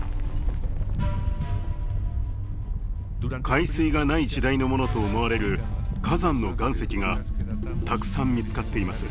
海水がない時代のものと思われる火山の岩石がたくさん見つかっています。